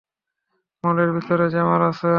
মলের ভেতরে জ্যামার আছে।